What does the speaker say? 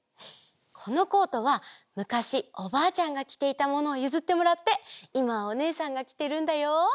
このコートはむかしおばあちゃんがきていたものをゆずってもらっていまはおねえさんがきてるんだよ！